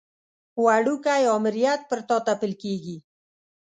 وړوکی امریت پر تا تپل کېږي.